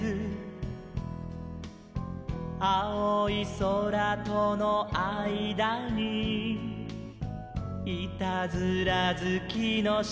「あおいそらとのあいだにいたずらずきのしろ」